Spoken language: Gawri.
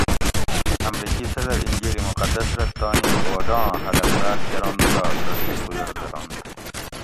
"امریکی صدر انجیل مقدس رہ تانی عہداں حلف راۤت کرنت تہ سہ ""سیکولر"" درنت"